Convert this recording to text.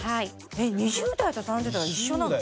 えっ２０代と３０代が一緒なの？